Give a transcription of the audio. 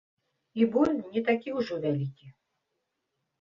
І боль не такі ўжо вялікі.